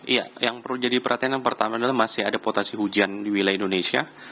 iya yang perlu jadi perhatian yang pertama adalah masih ada potensi hujan di wilayah indonesia